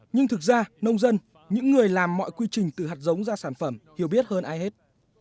nhưng thực ra nông dân những người làm mọi quy trình từ hạt giống ra sản phẩm hiểu biết hơn ai hết